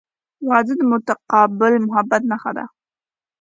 • واده د متقابل محبت نښه ده.